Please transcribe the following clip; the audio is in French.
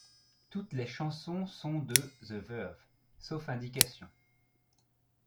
Toutes les chansons sont de The Verve, sauf indications.